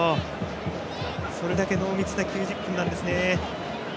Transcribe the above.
それだけ濃密な９０分なんですね。